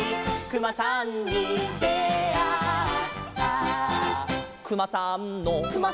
「くまさんの」